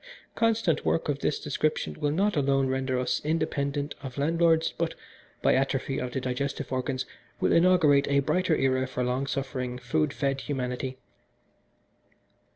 Constant work of this description will not alone render us independent of landlords, but, by atrophy of the digestive organs, will inaugurate a brighter era for long suffering, food fed humanity.